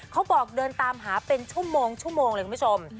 เค้าบอกเดินฯตามหาเป็นชั่วโมงเลยล่ะคุณผู้ชม